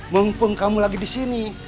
mumpung kamu lagi disini